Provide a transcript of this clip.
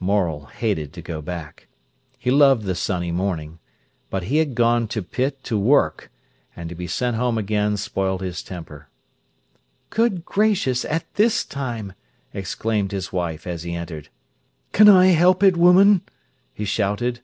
Morel hated to go back. He loved the sunny morning. But he had gone to pit to work, and to be sent home again spoilt his temper. "Good gracious, at this time!" exclaimed his wife, as he entered. "Can I help it, woman?" he shouted.